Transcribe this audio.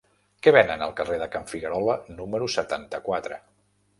Què venen al carrer de Can Figuerola número setanta-quatre?